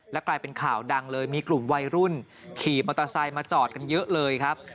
กลายเป็นข่าวดังเลยมีกลุ่มวัยรุ่นขี่มอเตอร์ไซค์มาจอดกันเยอะเลยครับ